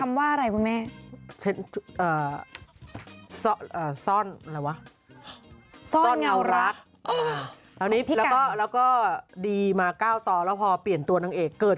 คำว่าอะไรคุณแม่